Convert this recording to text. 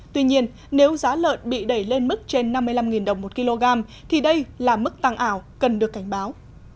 tuy nhiên nếu giá lợn bị đẩy lên mức trên năm mươi năm đồng một kg thì đây là mức tăng ảo cần được cảnh báo